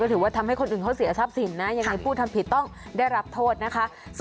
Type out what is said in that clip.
ถือว่าทำให้คนอื่นเขาเสียทรัพย์สินนะยังไงผู้ทำผิดต้องได้รับโทษนะคะ